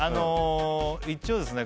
一応ですね